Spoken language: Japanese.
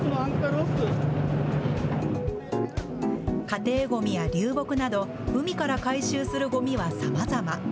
家庭ごみや流木など、海から回収するごみはさまざま。